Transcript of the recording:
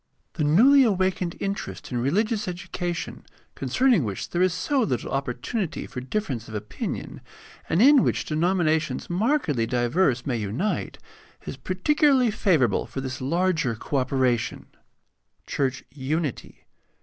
The newly awakened interest in religious education, concern ing which there is so little opportunity for difference of opinion, and in which denominations markedly diverse may unite, is particularly favorable for this larger co operation. Church unity.